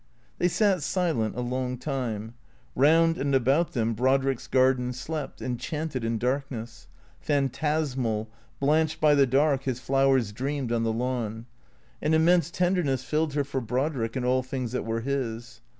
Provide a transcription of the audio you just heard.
They sat silent a long time. Eound and about them Brod rick's garden slept, enchanted in darkness. Phantasmal, blanched by the dark, his flowers dreamed on the lawn. An im mense tenderness filled her for Brodrick and all things that were his.